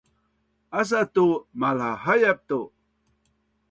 Asa tu malhahai-iap tu